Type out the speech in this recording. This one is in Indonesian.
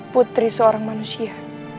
putri seorang manusia